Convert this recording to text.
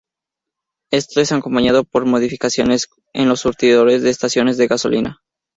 Esto es acompañado por modificaciones en los surtidores de las estaciones de gasolina.